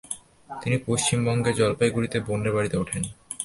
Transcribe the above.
তিনি পশ্চিমবঙ্গের জলপাইগুড়িতে বোনের বাড়িতে ওঠেন।